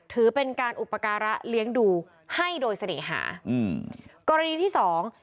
ถือเป็นการอุปการะเลี้ยงดูให้โดยเสน่หาอืมกรณีที่สอง